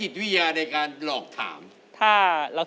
เฮ้ยอย่าลืมฟังเพลงผมอาจารย์นะ